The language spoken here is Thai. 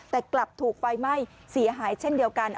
แต่กลับถูกไฟไหม้เสียหายเช่นเดียวกัน